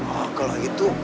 oh kalau gitu